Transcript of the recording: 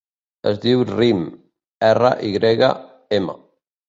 Es diu Rym: erra, i grega, ema.